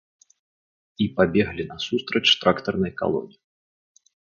І пабеглі насустрач трактарнай калоне.